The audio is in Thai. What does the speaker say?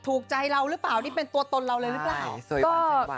ถูกใจเราหรือเปล่านี่เป็นตัวตนเราเลยหรือเปล่า